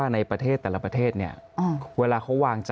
สิ่งที่ประชาชนอยากจะฟัง